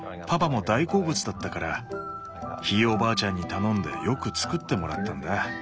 パパも大好物だったからひいおばあちゃんに頼んでよく作ってもらったんだ。